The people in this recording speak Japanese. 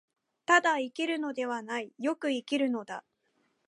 ただ生きるのではない、善く生きるのだ。